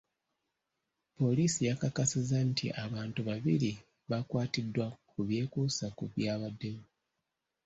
Poliisi yakakasizza nti abantu babiri baakwatiddwa ku byekuusa ku byabaddewo.